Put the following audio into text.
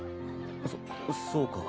そそうか。